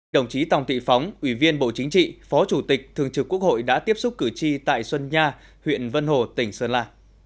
đồng chí tòng thị phóng ủy viên bộ chính trị phó chủ tịch thường trực quốc hội đã tiếp xúc cử tri tại xuân nha huyện vân hồ tỉnh sơn la